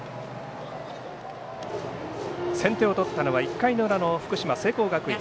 先手を取ったのは１回裏の福島の聖光学院。